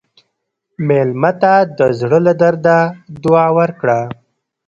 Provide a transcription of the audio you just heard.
مېلمه ته د زړه له درده دعا ورکړه.